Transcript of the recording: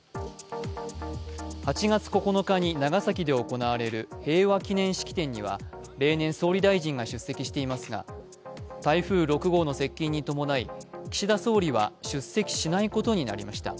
８月９日に長崎で行われる平和祈念式典には例年総理大臣が出席していますが台風６号の接近に伴い岸田総理は出席しないことになりました。